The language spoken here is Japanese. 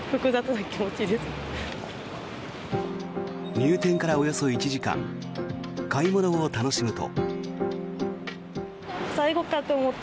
入店からおよそ１時間買い物を楽しむと。